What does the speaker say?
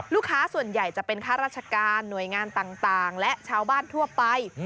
ลูกค้าส่วนใหญ่จะเป็นค่าราชการหน่วยงานต่างและชาวบ้านทั่วไป